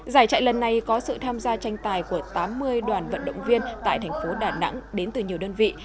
giải chạy lần này có sự tham gia tranh tài của tám mươi đoàn vận động viên tại thành phố đà nẵng đến từ nhiều đơn vị